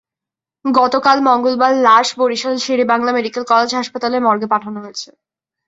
গতকাল মঙ্গলবার লাশ বরিশাল শের-ই-বাংলা মেডিকেল কলেজ হাসপাতালের মর্গে পাঠানো হয়েছে।